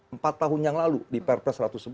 empat tahun yang lalu di perpres satu ratus sebelas